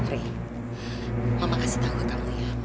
rey mama kasih tahu kamu ya